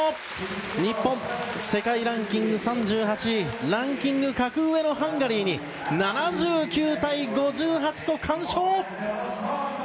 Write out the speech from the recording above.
日本、世界ランキング３８位ランキング格上のハンガリーに７９対５８と完勝！